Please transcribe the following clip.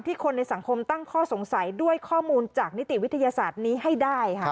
คนในสังคมตั้งข้อสงสัยด้วยข้อมูลจากนิติวิทยาศาสตร์นี้ให้ได้ค่ะ